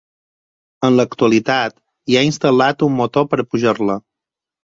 En l'actualitat hi ha instal·lat un motor per a pujar-la.